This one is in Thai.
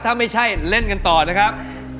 ถ้าไม่ใช่เล่นกันต่อนะครับ